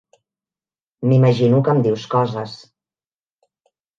M'imagino que em dius coses.